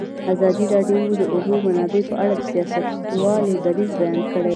ازادي راډیو د د اوبو منابع په اړه د سیاستوالو دریځ بیان کړی.